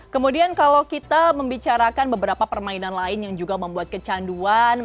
kemudian kalau kita membicarakan beberapa permainan lain yang juga membuat kecanduan